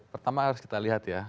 pertama harus kita lihat ya